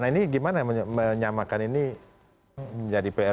nah ini gimana menyamakan ini menjadi pr